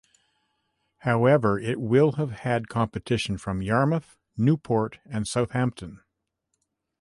However, it will have had competition from Yarmouth, Newport and Southampton.